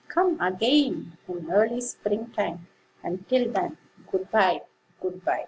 Come again in early spring time; And till then, good by, good by!"